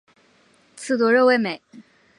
刺多肉味美。